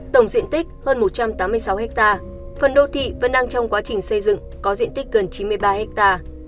tổng diện tích hơn một trăm tám mươi sáu ha phần đô thị vẫn đang trong quá trình xây dựng có diện tích gần chín mươi ba ha